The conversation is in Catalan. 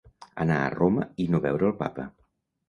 Anar a Roma i no veure el papa.